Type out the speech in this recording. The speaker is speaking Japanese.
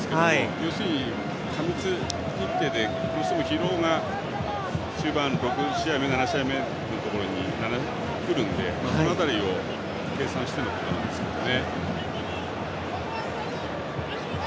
要するに過密日程でどうしても疲労が終盤６試合目、７試合目に来るのでその辺りを計算してのことなんですよね。